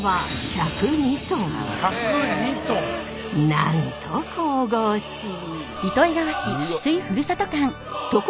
なんと神々しい！